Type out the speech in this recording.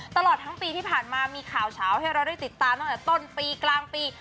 ตลอดทั้งปีที่ผ่านมามีข่าวเฉาให้เราได้ติดตามตั้งแต่ต้นปีกลางปี